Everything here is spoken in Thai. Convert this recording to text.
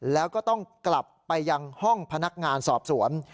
แล้วก็ต้องกลับไปยังห้องพนักงานสอบสวน